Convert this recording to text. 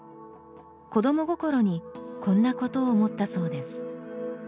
子ども心にこんなことを思ったそうです